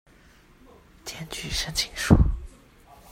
檢具申請書